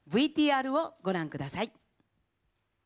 ＶＴＲをご覧ください。